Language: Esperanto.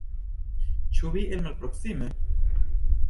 Ĉu vi el malproksime?